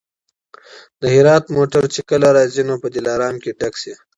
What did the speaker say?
د هرات موټر چي کله راځي نو په دلارام کي ډک سي.